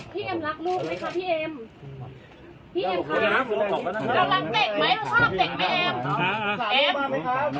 พี่เอ็มรักลูกไหมคะพี่เอ็ม